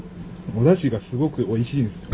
おだしがすごくおいしいんですよ。